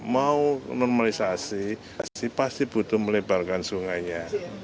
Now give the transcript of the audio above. mau normalisasi pasti butuh melebarkan sungainya